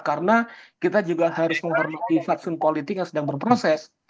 karena kita juga harus menghormati faksun politik yang sedang berproses